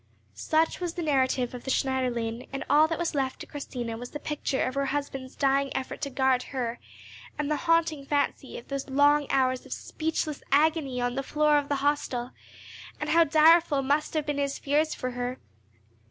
Such was the narrative of the Schneiderlein, and all that was left to Christina was the picture of her husband's dying effort to guard her, and the haunting fancy of those long hours of speechless agony on the floor of the hostel, and how direful must have been his fears for her.